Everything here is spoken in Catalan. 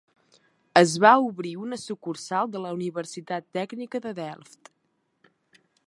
Es va obrir una sucursal de la Universitat Tècnica de Delft.